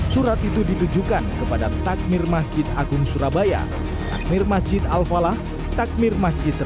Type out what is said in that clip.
surat itu ditujukan kepada takmir masjid agung surabaya takmir masjid al falang dan takmir masjid al akbar